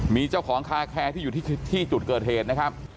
มีเจ้าของคาแคร์ที่อยู่ที่จุดเกิดเหตุนะครับ